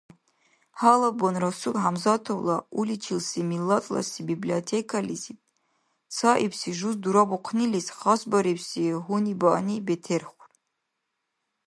Гьалабван Расул Хӏямзатовла уличилси Миллатласи библиотекализиб, цаибси жуз дурабухънилис хасбарибси гьунибаъни бетерхур.